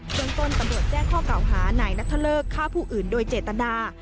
เมืองต้นตำรวจแจ้งข้อเก่าหานายนัทเลิกฆ่าผู้อื่นโดยเจตนา